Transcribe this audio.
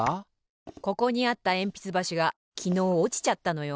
ここにあったえんぴつばしがきのうおちちゃったのよ。